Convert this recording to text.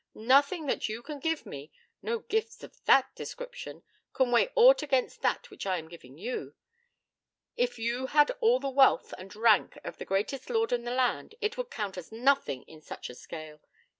Nothing that you can give me no gifts of that description can weigh aught against that which I am giving you. If you had all the wealth and rank of the greatest lord in the land, it would count as nothing in such a scale.